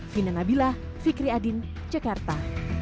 fina nabilah fikri adin jakarta